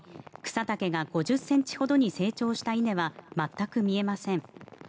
草丈が５０ｃｍほどに成長した稲は全く見えません。